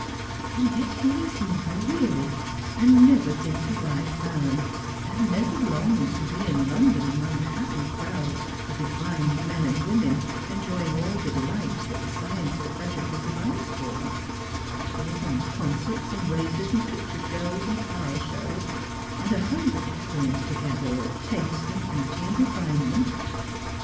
And yet he is never weary, and never thinks his life barren, and never longs to be in London among happy crowds of refined men and women enjoying all the delights that the science of pleasure can devise for them — operas, and concerts, and races, and picture shows, and flower shows, and a hundred gatherings together of taste, and beauty, and refinement..